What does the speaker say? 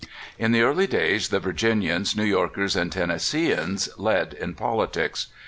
In the early days the Virginians, New Yorkers, and Tennesseeans led in politics.